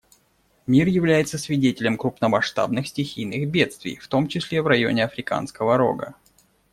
Мир является свидетелем крупномасштабных стихийных бедствий, в том числе в районе Африканского Рога.